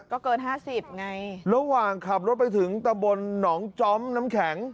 ก็เกินห้าสิบไงระหว่างขับรถไปถึงตะบนหนองจ้อมน้ำแข็ง